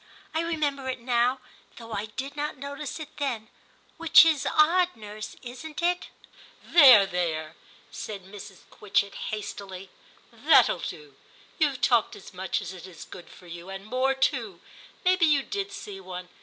I remember it now, though I did not notice it then, which is odd, nurse, isn't it ?There, there,' said Mrs. Quitchett hastily, * that'll do ; you've talked as much as is good for you, and more too ; maybe you did see one.